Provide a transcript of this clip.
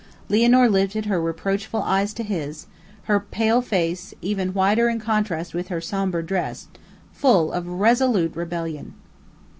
Lianor lifted her reproachful eyes to his, her pale face, even whiter in contrast with her somber dress, full of resolute rebellion.